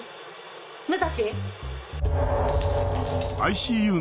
武蔵？